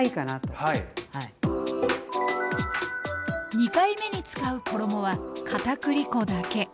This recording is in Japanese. ２回目に使う衣はかたくり粉だけ。